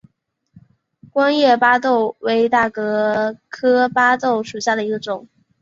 光叶巴豆为大戟科巴豆属下的一个种。